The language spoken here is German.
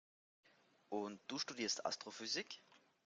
Und du studierst Astrophysik?